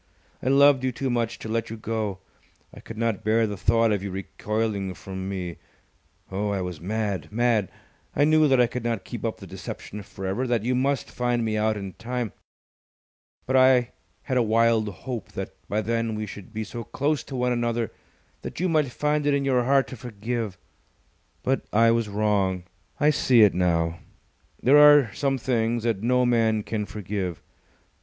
I loved you too much to let you go! I could not bear the thought of you recoiling from me. Oh, I was mad mad! I knew that I could not keep up the deception for ever, that you must find me out in time. But I had a wild hope that by then we should be so close to one another that you might find it in your heart to forgive. But I was wrong. I see it now. There are some things that no man can forgive.